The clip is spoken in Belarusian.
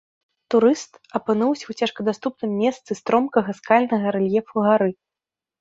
Турыст апынуўся ў цяжкадаступным месцы стромкага скальнага рэльефу гары.